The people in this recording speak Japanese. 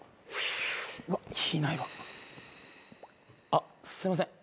あっすいません